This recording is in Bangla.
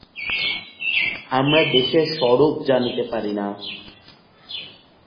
আমরা দেশের স্বরূপ জানিতে পারি না।